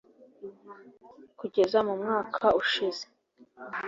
Kugeza mu mwaka ushize